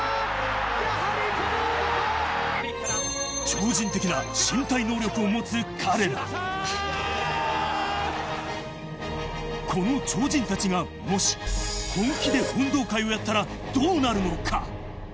やはりこの男！を持つ彼らこの超人たちがもし本気で運動会をやったらどうなるのか？